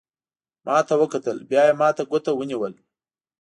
ما ته وکتل، بیا یې ما ته ګوته ونیول.